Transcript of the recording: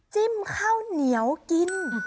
จิ้มข้าวเหนียวกิน